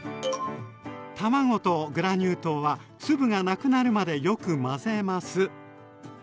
卵とグラニュー糖は粒がなくなるまでよく混ぜます。